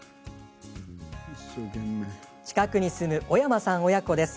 近くに住む小山さん親子です。